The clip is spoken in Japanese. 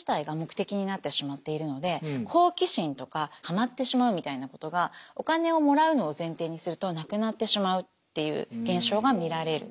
だから好奇心とかハマってしまうみたいなことがお金をもらうのを前提にするとなくなってしまうっていう現象が見られる。